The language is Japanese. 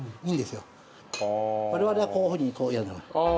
我々はこういうふうにこうやるの。